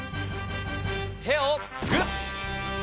てをグッ！